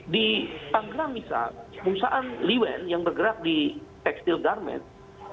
di panggilan misal pengusahaan liwen yang bergerak di textile garment